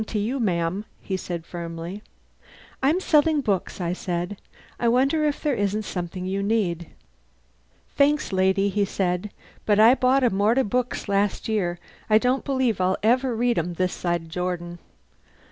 "Morning to you, ma'am," he said firmly. "I'm selling books," I said. "I wonder if there isn't something you need?" "Thanks, lady," he said, "but I bought a mort o' books last year an' I don't believe I'll ever read 'em this side Jordan.